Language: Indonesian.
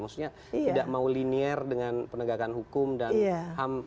maksudnya tidak mau linier dengan penegakan hukum dan ham